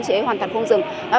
con ăn cái nào